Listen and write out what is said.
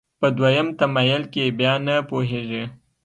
په دویم تمایل کې بیا نه پوهېږي.